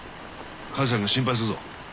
母さんが心配するぞ。